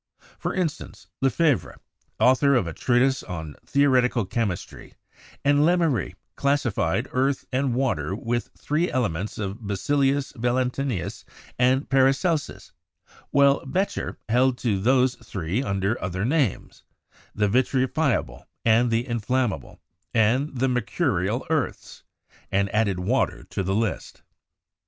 For instance, Lefevre, author of a treatise on theoretical chem istry, and Lemery classified earth and water with the three elements of Basilius Valentinus and Paracelsus, while Becher held to those three under other names — the "veri fiable," the "inflammable," and the "mercurial" earths — and added water to the list.